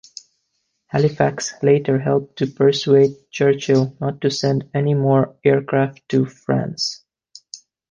Halifax later helped to persuade Churchill not to send any more aircraft to France.